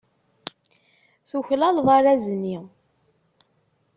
Tuklaleḍ arraz-nni.